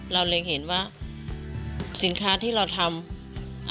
เราเล็งเห็นว่าสินค้าที่เราทำ